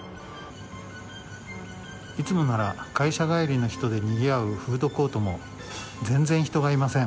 いつもなら会社帰りの人でにぎわうフードコートも全然人がいません。